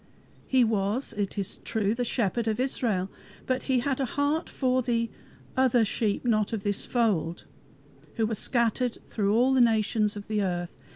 He was, it is true, the Shepherd of Israel, but he had a heart for the "other sheep not of this fold," who were scattered through all nations of the earth.